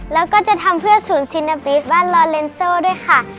แล้วก็จะทำเพื่อศูนย์ซีนาปิสบ้านลอเลนโซด้วยค่ะ